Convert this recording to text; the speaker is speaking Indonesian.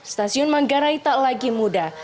stasiun manggarai tak lagi mudah